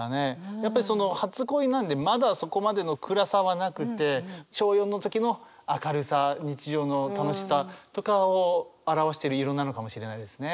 やっぱりその初恋なんでまだそこまでの暗さはなくて小４の時の明るさ日常の楽しさとかを表してる色なのかもしれないですね。